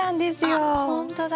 ほんとだ